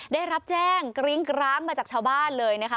ได้รับแจ้งกริ้งกร้างมาจากชาวบ้านเลยนะคะ